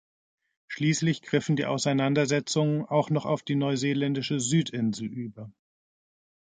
Schließlich griffen die Auseinandersetzungen auch noch auf die neuseeländische Südinsel über.